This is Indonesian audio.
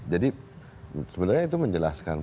jadi sebenarnya itu menjelaskan